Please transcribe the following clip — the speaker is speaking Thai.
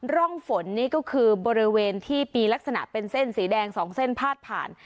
ร่องฝนนี่ก็คือบริเวณที่มีลักษณะเป็นเส้นสีแดง๒เส้นพาดผ่าน